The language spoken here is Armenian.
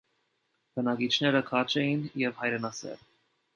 Բնակիչները քաջ էին և հայրենասեր։